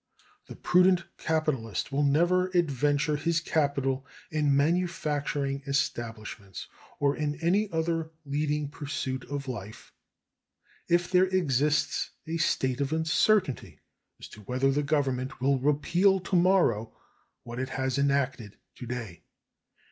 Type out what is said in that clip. The prudent capitalist will never adventure his capital in manufacturing establishments, or in any other leading pursuit of life, if there exists a state of uncertainty as to whether the Government will repeal to morrow what it has enacted to day.